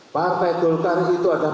partai kulkara itu adalah